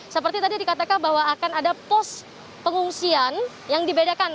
seperti tadi dikatakan bahwa akan ada pos pengungsian yang dibedakan